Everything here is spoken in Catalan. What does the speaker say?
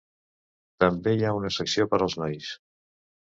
També hi ha una secció per als nois.